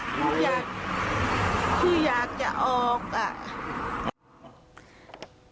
ต้องอยากที่อยากจะออกหรอ